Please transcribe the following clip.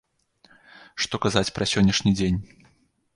Што казаць пра сённяшні дзень!